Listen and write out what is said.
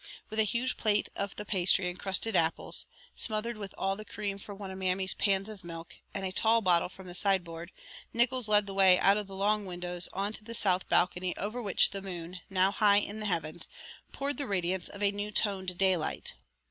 With a huge plate of the pastry encrusted apples, smothered with all the cream from one of Mammy's pans of milk, and a tall bottle from the sideboard, Nickols led the way out of the long windows onto the south balcony over which the moon, now high in the heavens, poured the radiance of a new toned daylight.